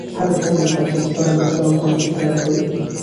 هرې ښځې ته چې ستا په شاوخوا کې کار کوي.